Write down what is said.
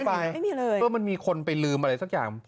เพราะมันมีคนไปลืมอะไรสักอย่าง